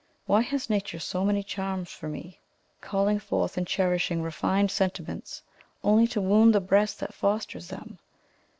Why has nature so many charms for me calling forth and cherishing refined sentiments, only to wound the breast that fosters them?